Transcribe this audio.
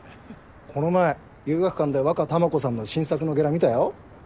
この前由岳館でワカタマコさんの新作のゲラ見たよ。